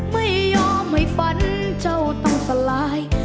ไม่ยอมให้ฝันเจ้าต้องสลาย